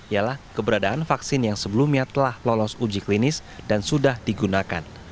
ialah keberadaan vaksin yang sebelumnya telah lolos uji klinis dan sudah digunakan